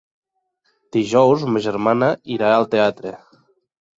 Dijous ma germana irà al teatre.